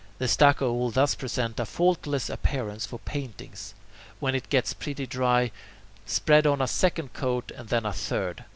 The stucco will thus present a faultless appearance for paintings. When it gets pretty dry, spread on a second coat and then a third.